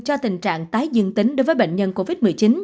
cho tình trạng tái dương tính đối với bệnh nhân covid một mươi chín